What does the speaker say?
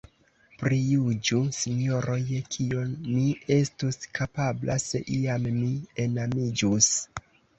Prijuĝu, sinjoro, je kio mi estus kapabla, se iam mi enamiĝus!